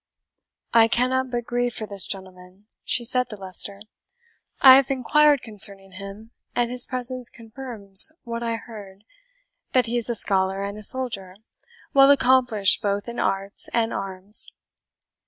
"I cannot but grieve for this gentleman," she said to Leicester. "I have inquired concerning him, and his presence confirms what I heard, that he is a scholar and a soldier, well accomplished both in arts and arms.